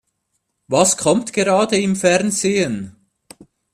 Was kommt gerade im Fernsehen?